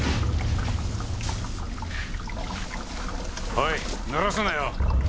おいぬらすなよ。